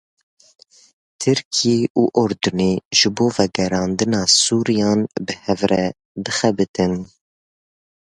Tirkiye û Urdunê ji bo vegerandina Sûriyan bi hev re dixebitin.